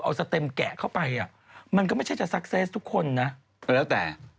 เอาสเต็มแกะเข้าไปอ่ะมันก็ไม่ใช่จะซักเซสทุกคนนะก็แล้วแต่